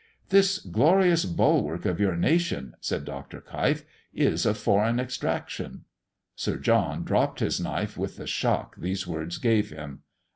"This glorious bulwark of your nation," said Dr. Keif, "is of foreign extraction." Sir John dropped his knife with the shock these words gave him.